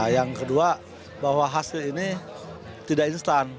yang kedua bahwa hasil ini tidak instan